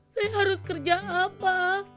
saya harus kerja apa